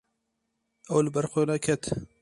Ew li ber xwe neket.